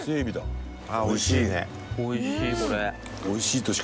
おいしい。